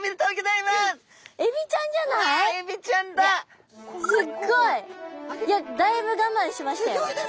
いやだいぶ我慢しましたよ。